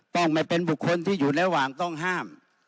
ต้องไม่เป็นบุคคลที่อยู่ระหว่างต้องห้าม